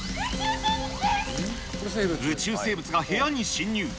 宇宙生物が部屋に侵入。